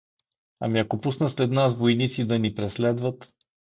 — Ами ако пуснат след нас войници да ни преследват?